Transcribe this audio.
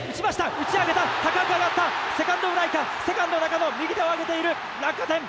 打ち上げた高く上がったセカンドフライかセカンド中野右手をあげている落下点